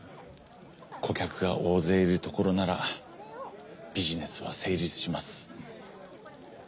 顧客が大勢いるところならビジネスは成立します。